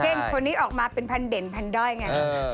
อย่างเช่นคนนึงออกมาเป็นพันเด่นพันด้อยไง